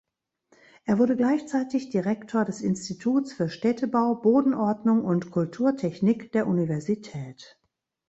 Er wurde gleichzeitig Direktor des Instituts für Städtebau, Bodenordnung und Kulturtechnik der Universität.